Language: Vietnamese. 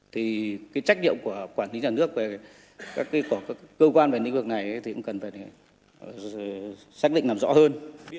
thì trách nhiệm của quản lý nhà nước về các cơ quan về nguyên nhân này cũng cần phải xác định làm rõ hơn